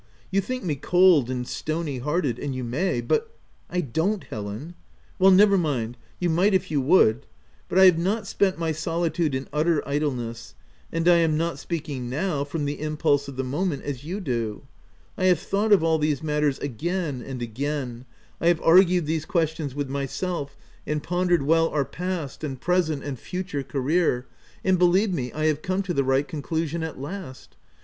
You think me cold and stony hearted, and you may, but — M " I don't Helen." " Well, never mind ; you might if you would — but I have not spent my solitude in utter idleness, and 1 am not speaking now from the impulse of the moment as you do ; I have thought of all these matters again and again ; I have argued these questions with myself, and pondered well our past, and present, and future OP WILDFELL HALL. 147 career ; and, believe me, I have come to the right conclusion at last.